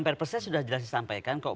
purpose saya sudah jelas disampaikan